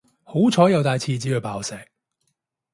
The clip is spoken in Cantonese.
好彩有帶廁紙去爆石